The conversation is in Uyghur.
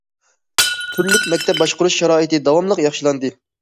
تۈرلۈك مەكتەپ باشقۇرۇش شارائىتى داۋاملىق ياخشىلاندى.